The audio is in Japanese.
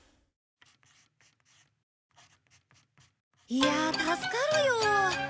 いや助かるよ。